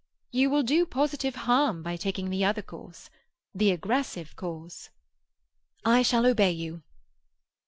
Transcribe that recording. You will do positive harm by taking the other course—the aggressive course." "I shall obey you."